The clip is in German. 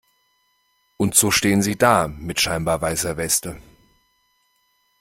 Und so stehen sie da mit scheinbar weißer Weste.